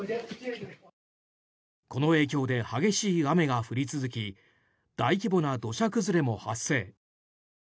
この影響で激しい雨が降り続き大規模な土砂崩れも発生。